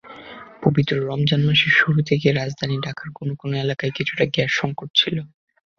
পবিত্র রমজান মাসের শুরু থেকেই রাজধানী ঢাকার কোনো কোনো এলাকায় কিছুটা গ্যাসসংকট ছিল।